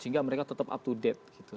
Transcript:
sehingga mereka tetap up to date